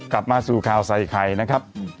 กลับมาสู่ข่าวใส่ไข่นะครับ